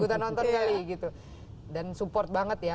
dan support banget ya